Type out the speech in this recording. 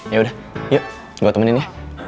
yaudah yuk gue temenin ya